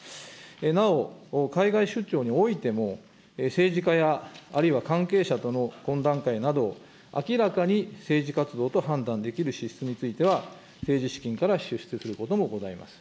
なお、海外出張においても、政治家や、あるいは関係者との懇談会など、明らかに政治活動と判断できる支出については、政治資金から支出することもございます。